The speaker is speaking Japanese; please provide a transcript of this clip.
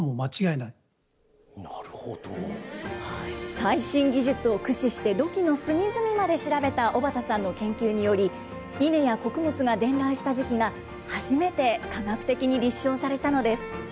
最新技術を駆使して、土器の隅々まで調べた小畑さんの研究により、イネや穀物が伝来した時期が、初めて科学的に立証されたのです。